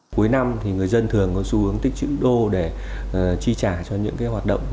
cuối năm thì người dân thường có xu hướng tích chữ đô để chi trả cho những hoạt động